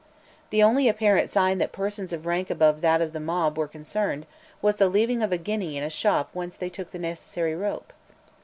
The only apparent sign that persons of rank above that of the mob were concerned, was the leaving of a guinea in a shop whence they took the necessary rope.